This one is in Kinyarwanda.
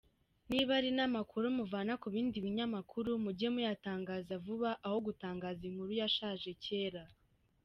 Niba ari namakuru muvana kubindi binyakuru mujye muyatangaza vuba aho gutangaza inkuru yashaje kera.